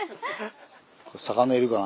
魚いるかな。